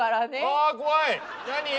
あ怖い何？